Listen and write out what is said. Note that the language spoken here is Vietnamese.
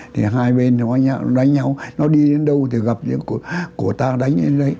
thì hai bên nó đánh nhau nó đi đến đâu thì gặp những cụ của ta đánh đến đấy